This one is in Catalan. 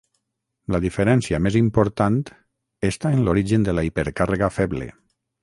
La diferència més important està en l'origen de la hipercàrrega feble.